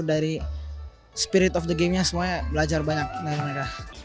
dari spirit of the game nya semuanya belajar banyak dari mereka